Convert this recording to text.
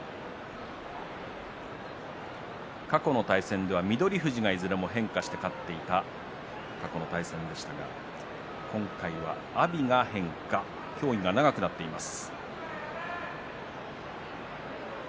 過去の対戦では翠富士がいずれも変化して勝っている対戦でしたが今回は阿炎の変化協議が長くなっています。